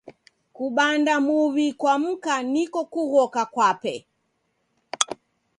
Kubanda muw'i kwa mka niko kughoka kwape.